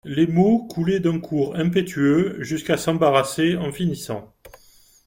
Les mots coulaient d'un cours impétueux, jusqu'à s'embarrasser en finissant.